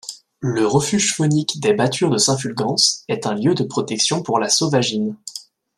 Le refuge faunique des Battures-de-Saint-Fulgence est un lieu de protection pour la sauvagine.